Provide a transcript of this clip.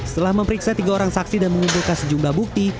setelah memeriksa tiga orang saksi dan mengumpulkan sejumlah bukti